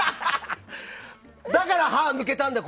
だから、歯が抜けたんだよ